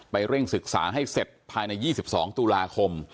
เร่งศึกษาให้เสร็จภายใน๒๒ตุลาคม